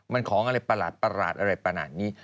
มันของอะไรประหลาดอะไรขนาดนี้